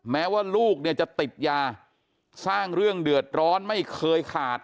แม้ว่าลูกเนี่ยจะติดยาสร้างเรื่องเดือดร้อนไม่เคยขาด